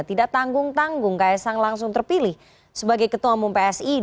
tidak tanggung tanggung ks sang langsung terpilih sebagai ketua umum psi